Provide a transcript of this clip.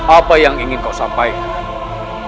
apa yang ingin kau sampaikan